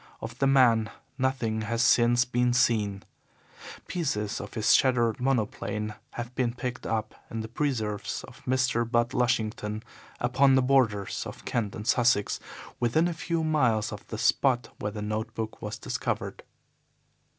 Of the man nothing has since been seen. Pieces of his shattered monoplane have been picked up in the preserves of Mr. Budd Lushington upon the borders of Kent and Sussex, within a few miles of the spot where the note book was discovered.